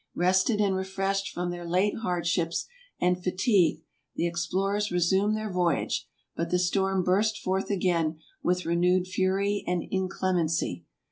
Rested and refreshed from their late hardships and fatigue the explor ers resumed their voyage; but the storm burst forth again with renewed fury and inclemency.